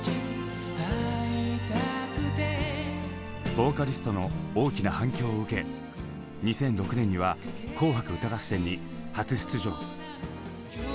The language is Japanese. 「ＶＯＣＡＬＩＳＴ」の大きな反響を受け２００６年には「紅白歌合戦」に初出場。